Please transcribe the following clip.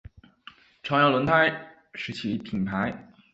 朝阳轮胎是其品牌。